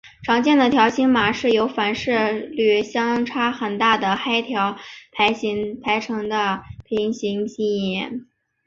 常见的条形码是由反射率相差很大的黑条排成的平行线图案。